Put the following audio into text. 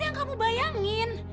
mas engga bisa liat sedikit